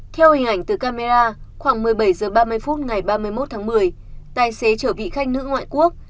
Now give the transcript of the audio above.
theo hình ảnh từ camera khoảng một mươi bảy h ba mươi phút ngày ba mươi một tháng một mươi tài xế chở vị khách nữ ngoại quốc